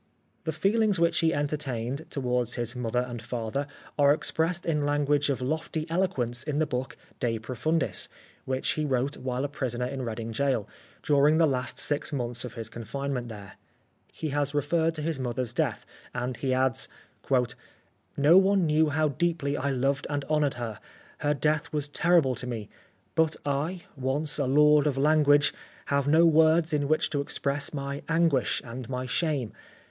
The feelings which he entertained towards his mother and father are expressed in language of lofty eloquence in the book, " De Profundis," which he wrote while a prisoner in Reading Gaol, during the last six months of his confinement there. He has referred to his mother's death, and he adds : 6 The Life of Oscar Wilde " No one knew how deeply I loved and honoured her. Her death was terrible to me ; but I, once a lord of language, have no words in which to express my anguish and my shame.